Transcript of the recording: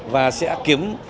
và sẽ kiếm